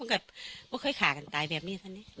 มันก็คล้ายขากันตายแบบนี้เซ้นนี่